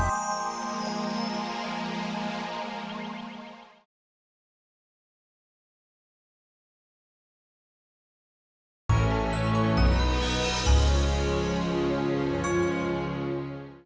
terima kasih banyak